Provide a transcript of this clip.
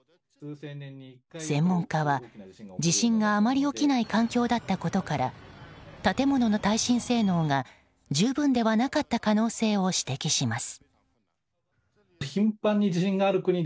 専門家は、地震があまり起きない環境だったことから建物の耐震性能が十分でなかった可能性を指摘します。